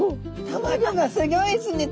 卵がすギョいですね